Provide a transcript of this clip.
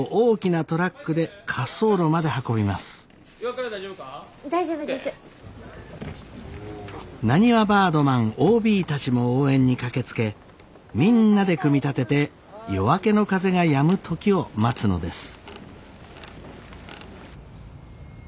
なにわバードマンＯＢたちも応援に駆けつけみんなで組み立てて夜明けの風がやむ時を待つのです。